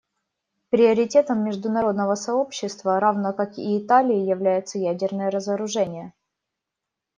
Приоритетом международного сообщества, равно как и Италии, является ядерное разоружение.